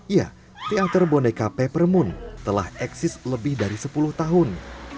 ya teater boneka peppermoon telah eksis lebih dari sepuluh tahun